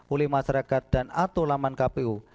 oleh masyarakat dan atau laman kpu